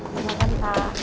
terima kasih pak